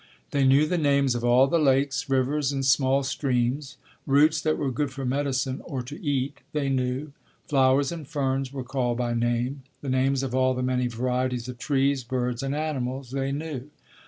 They knew the names of all the lakes, rivers and small streams. Roots that were good for medicine or to eat they knew. Flowers and ferns were called by name. The names of all the many varieties of trees, birds and animals they knew.